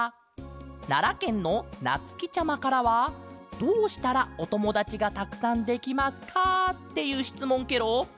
ならけんのなつきちゃまからは「どうしたらおともだちがたくさんできますか？」っていうしつもんケロ。